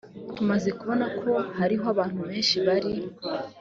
tumaze kubona ko hariho abantu benshi bari